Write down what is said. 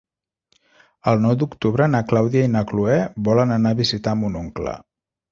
El nou d'octubre na Clàudia i na Cloè volen anar a visitar mon oncle.